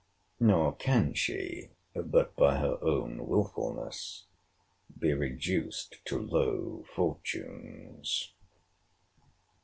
Nor can she, but by her own wilfulness, be reduced to low fortunes.